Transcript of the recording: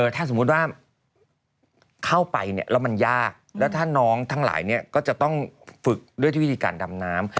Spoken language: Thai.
ถ้าสมมุติว่าเข้าไปเนี่ยแล้วมันยากแล้วถ้าน้องทั้งหลายเนี่ยก็จะต้องฝึกด้วยที่วิธีการดำน้ำ